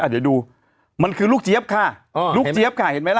เดี๋ยวดูมันคือลูกเยี๊ยบค่ะเห็นไหมล่ะ